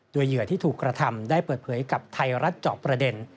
โดยเหยื่อที่ถูกกระทำได้เปิดเผยกับไทยรัฐเจาะประเด็น